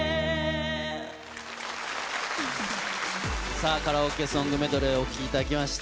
さあ、カラオケソングメドレー、お聴きいただきました。